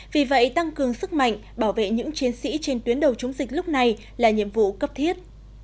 vì vậy tăng cường sức mạnh bảo vệ những chiến sĩ trên tuyến đầu chống dịch lúc này là nhiệm vụ cấp thiết